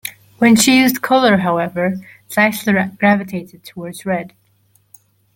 When she used color, however, Zeisler gravitated towards red.